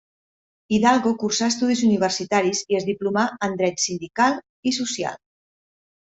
Hidalgo cursà estudis universitaris i es diplomà en Dret sindical i social.